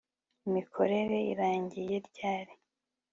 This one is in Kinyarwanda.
Imikorere irangiye ryari